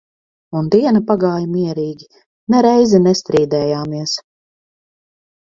Un diena pagāja mierīgi, ne reizi nestrīdējāmies.